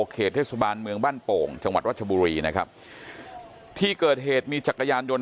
เขตเทศบาลเมืองบ้านโป่งจังหวัดรัชบุรีนะครับที่เกิดเหตุมีจักรยานยนต์